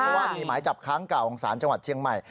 เพราะว่ามีหมายจับค้างเก่าของศาลจังหวัดเชียงใหม่